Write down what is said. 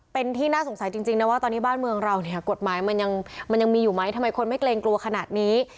เป็นที่น่าสงสัยจริงนะว่าตอนนี้บ้านเมืองเราเนี่ยกฎหมายมันยังมีอยู่ไหมทำไมคนไม่เกรงกลัวขนาดนี้